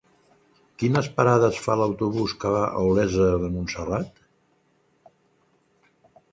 Quines parades fa l'autobús que va a Olesa de Montserrat?